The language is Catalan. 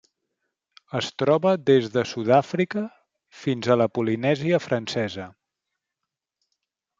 Es troba des de Sud-àfrica fins a la Polinèsia Francesa.